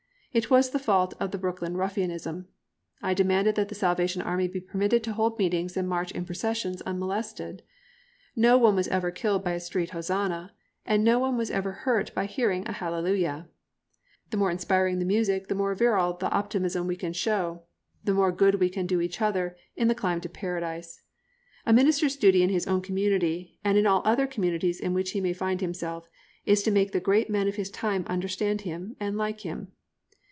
It was the fault of the Brooklyn ruffianism. I demanded that the Salvation Army be permitted to hold meetings and march in processions unmolested. No one was ever killed by a street hosannah, no one was ever hurt by hearing a hallelujah. The more inspiring the music the more virile the optimism we can show, the more good we can do each other in the climb to Paradise. A minister's duty in his own community, and in all other communities in which he may find himself, is to make the great men of his time understand him and like him.